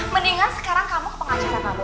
mendingan sekarang kamu ke pengacara kamu